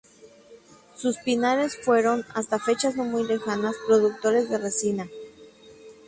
Sus pinares fueron, hasta fechas no muy lejanas, productores de resina.